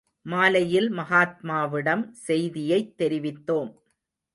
மாலையில் மகாத்மாவிடம் செய்தியைத் தெரிவித்தோம்.